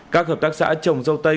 các hợp tác xã trồng dâu tây